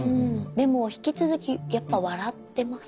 でも引き続きやっぱ笑ってますか？